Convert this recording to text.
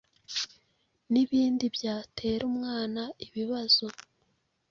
n’ibindi byatera umwana ibibazo